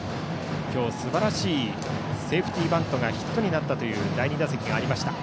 今日はすばらしいセーフティーバントがヒットになったという第２打席がありました。